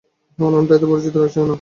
হ্যাঁ, নামটা এতো পরিচিত লাগছে কেন?